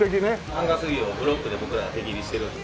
アンガス牛をブロックで僕ら手切りしてるので。